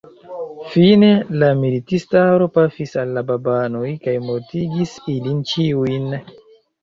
Fine la militistaro pafis al la babanoj kaj mortigis ilin ĉiujn.